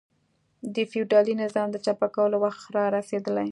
د فیوډالي نظام د چپه کولو وخت را رسېدلی.